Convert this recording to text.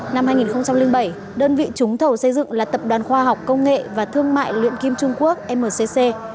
năm hai nghìn bảy đơn vị trúng thầu xây dựng là tập đoàn khoa học công nghệ và thương mại luyện kim trung quốc mcc